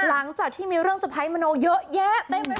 หลังจากที่มีเรื่องสะพายมโนเยอะแยะได้ไม่หมด